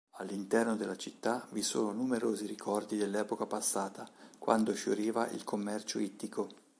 All'interno della città vi sono numerosi ricordi dell'epoca passata quando fioriva il commercio ittico.